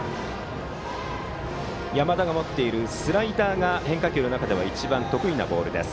山田が持っているスライダーが変化球の中では一番得意なボールです。